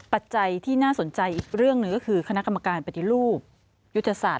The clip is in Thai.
ปัจจัยที่น่าสนใจอีกเรื่องหนึ่งก็คือคณะกรรมการปฏิรูปยุทธศาสต